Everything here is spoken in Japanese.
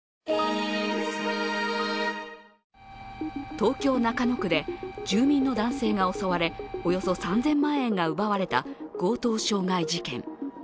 東京・中野区で住民の男性が襲われおよそ３０００万円が奪われた強盗傷害事件。